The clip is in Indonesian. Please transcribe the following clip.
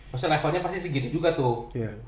maksudnya levelnya pasti segini juga tuh